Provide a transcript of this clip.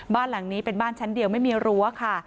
บ้านหลังนี้เป็นบ้านชั้นเดียวไม่มีรั้วค่ะ